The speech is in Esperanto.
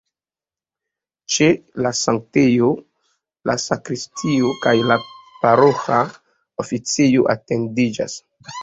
Ĉe la sanktejo la sakristio kaj la paroĥa oficejo etendiĝas.